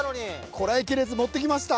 こらえきれず持ってきました。